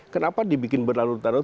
kenapa dibikin berlalu lalu